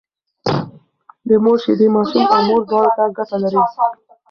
د مور شيدې ماشوم او مور دواړو ته ګټه لري